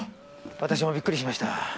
私もびっくりしました。